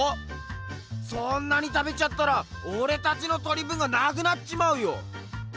そんなに食べちゃったらオレたちのとり分がなくなっちまうよ！